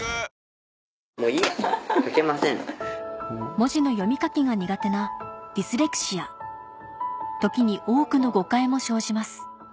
文字の読み書きが苦手なディスレクシア時に多くの誤解も生じます